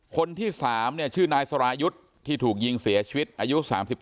คนที่๓ชื่อนายสรายุทธ์ที่ถูกยิงเสียชีวิตอายุ๓๙